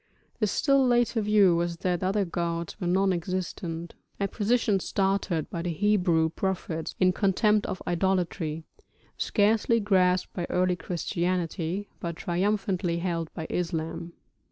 The still later view was that other gods were non existent, a position started by the Hebrew prophets in contempt of idolatry, scarcely grasped by early Christianity, but triumphantly held by Islam.